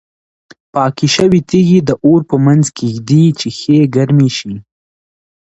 پاکې شوې تیږې د اور په منځ کې ږدي چې ښې ګرمې شي.